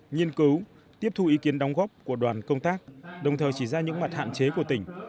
nghiên cứu tiếp thu ý kiến đóng góp của đoàn công tác đồng thời chỉ ra những mặt hạn chế của tỉnh